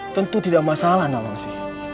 tentu tidak masalah namangsi